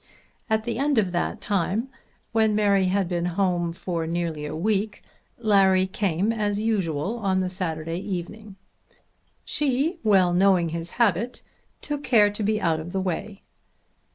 At the end of that time, when Mary had been at home nearly a week, Larry came as usual on the Saturday evening. She, well knowing his habit, took care to be out of the way.